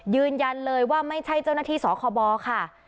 ยืนยันเลยว่าไม่ใช่เจ้าหน้าที่สคบค่ะ